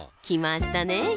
来ましたね